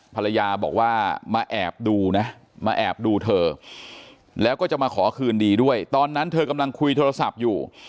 ภรรยาบอกว่ามาแอบดูนะมาแอบดูเธอแล้วก็จะมาขอคืนดีด้วยตอนนั้นเธอกำลังคุยโทรศัพท์อยู่